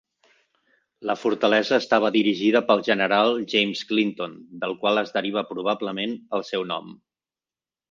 La fortalesa estava dirigida pel General James Clinton, del qual es deriva probablement el seu nom.